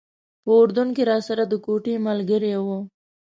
په اردن کې راسره د کوټې ملګری و.